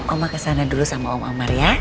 oma kesana dulu sama om amar ya